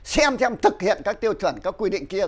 xem xem thực hiện các tiêu chuẩn các quy định kia